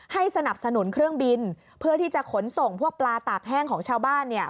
สนับสนุนเครื่องบินเพื่อที่จะขนส่งพวกปลาตากแห้งของชาวบ้านเนี่ย